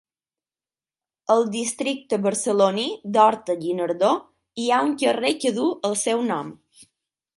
Al districte barceloní d'Horta-Guinardó hi ha un carrer que duu el seu nom.